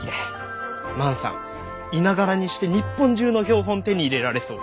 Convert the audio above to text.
万さん居ながらにして日本中の標本を手に入れられそう。